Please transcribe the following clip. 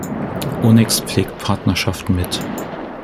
Onex pflegt Partnerschaften mit